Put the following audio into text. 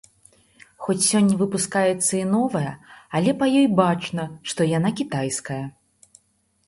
Хоць сёння выпускаецца і новая, але па ёй бачна, што яна кітайская.